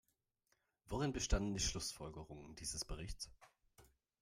Worin bestanden die Schlussfolgerungen dieses Berichts?